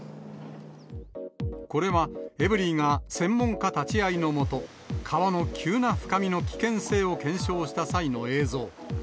これはエブリィが専門家立ち会いのもと、川の急な深みの危険性を検証した際の映像。